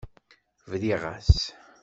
Briɣ-as.